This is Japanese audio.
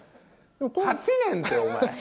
８年って、お前。